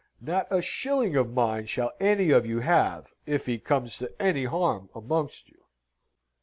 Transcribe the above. Not a shilling of mine shall any of you have if he comes to any harm amongst you.